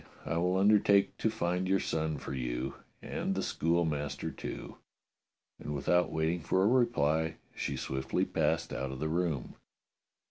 I will undertake to find your son for you, and the schoolmaster, too." And without waiting for a reply she swiftly passed out of the room.